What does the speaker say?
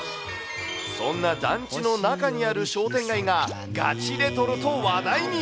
そんな団地の中にある商店街が、ガチレトロと話題に。